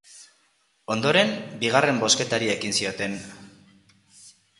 Ondoren, bigarren bozketari ekin zioten.